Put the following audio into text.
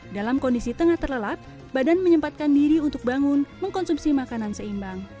dalam kondisi tengah terlelap badan menyempatkan diri untuk bangun mengkonsumsi makanan seimbang